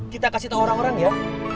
kita kasih tahu orang orang ya